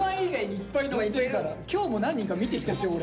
今日も何人か見てきたし俺。